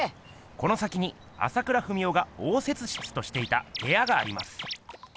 この先に朝倉文夫が応接室としていたへやがあります。